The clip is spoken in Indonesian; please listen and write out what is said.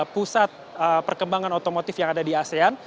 pusat perkembangan otomotif yang ada di asean